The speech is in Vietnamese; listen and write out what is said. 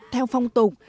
theo phong tục